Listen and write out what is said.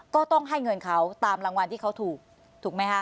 ก็ต้องให้เงินเขาตามรางวัลที่เขาถูกถูกไหมคะ